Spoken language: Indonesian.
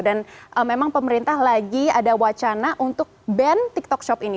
dan memang pemerintah lagi ada wacana untuk ban tik tok shop ini